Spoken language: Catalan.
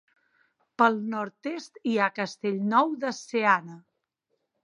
Pel nord-est hi ha Castellnou de Seana.